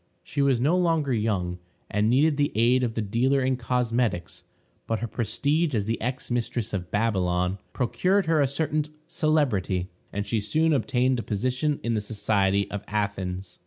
She was no longer young, and needed the aid of the dealer in cosmetics; but her prestige as the ex mistress of Babylon procured her a certain celebrity, and she soon obtained a position in the society of Athens.